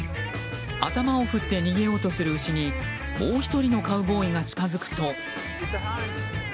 頭を振って逃げようとする牛にもう１人のカウボーイが近づくと。